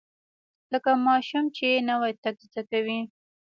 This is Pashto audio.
لکه ماشوم چې نوى تګ زده کوي.